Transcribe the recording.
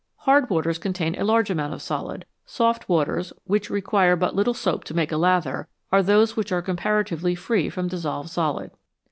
Hard waters contain a large amount of solid ; soft waters, which require but little soap to make a lather, are those which are comparatively free from dissolved solid.